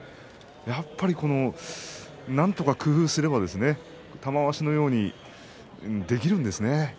やっぱりなんとか工夫すれば玉鷲のようにできるんですね。